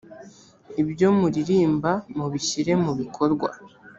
ibyo muririmba mubishyire mu bikorwa